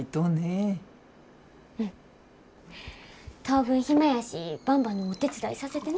当分暇やしばんばのお手伝いさせてな。